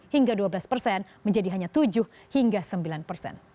hingga dua belas persen menjadi hanya tujuh hingga sembilan persen